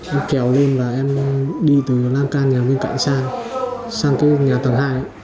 em trèo lên và em đi từ lan can nhà bên cạnh sang sang cái nhà tầng hai